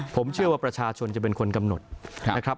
ผมเชื่อว่าประชาชนจะเป็นคนกำหนดนะครับ